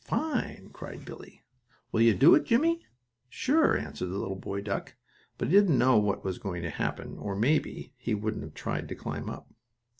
"Fine!" cried Billie. "Will you do it, Jimmie?" "Sure," answered the little boy duck, but he didn't know what was going to happen, or, maybe, he wouldn't have tried to climb up.